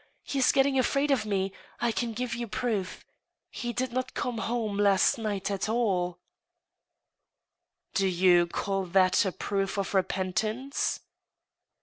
' He is getting afraid of me. ... I can give you proof. He did not come home last night at all I "" Do you c^ that a proof of repentance